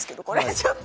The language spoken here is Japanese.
ちょっと！